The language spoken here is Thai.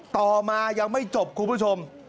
ต่อมายังไม่จบคุณผู้ชม